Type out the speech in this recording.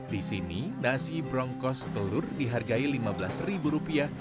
di sini nasi prongkos telur dihargai lima belas rupiah